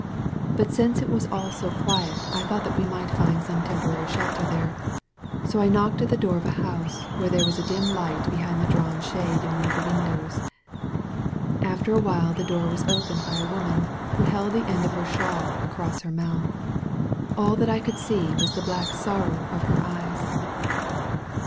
But since it was aQ so quiet, I thought that we might jSnd some temporary shelter there. So I knocked at the door of a house where there was a dim Ught behind the drawn shade in one of the win dows. After a while the door was opened by a woman who held the end of her shawl across her mouth. 11 THE VALLEY OP VISION All that I oould see was the black sorrow of her eyes.